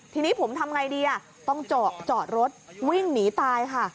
ทีนี้ผมทำไงดีต้องจอดรถวิ่งหนีตายค่ะ